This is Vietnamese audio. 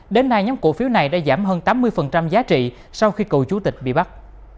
đến nay nhóm cổ phiếu này đã giảm hơn tám mươi giá trị sau khi cựu chủ tịch bị bắt